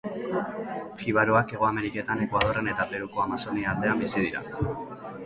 Jibaroak Hego Ameriketan Ekuadorren eta Peruko Amazonia aldean bizi dira.